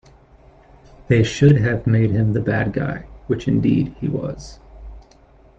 They should have made him the bad guy, which indeed he was.